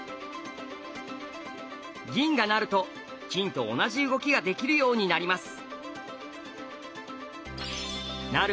銀が成ると金と同じ動きができるようになります。